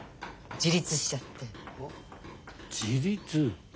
自立。